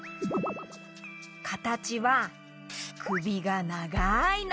かたちはくびがながいの。